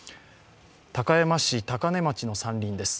高山市高根町の山林です。